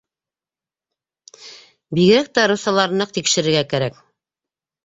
Бигерәк тә руссаларын ныҡ тикшерергә кәрәк.